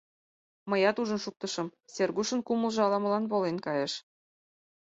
— Мыят ужын шуктышым, — Сергушын кумылжо ала-молан волен кайыш.